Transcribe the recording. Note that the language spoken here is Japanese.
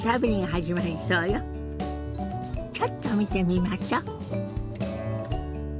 ちょっと見てみましょ。